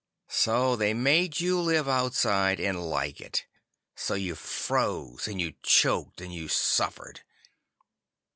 So they made you live outside and like it. So you froze and you choked and you suffered.